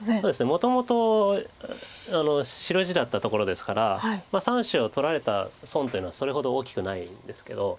もともと白地だったところですから３子を取られた損というのはそれほど大きくないんですけど。